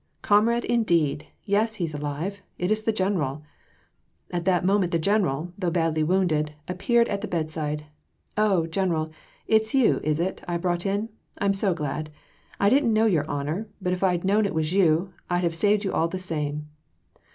'Comrade, indeed! yes, he's alive, it is the General.' At that moment the General, though badly wounded, appeared at the bedside. 'Oh, General, it's you, is it, I brought in, I'm so glad. I didn't know your honour, but if I'd known it was you, I'd have saved you all the same.'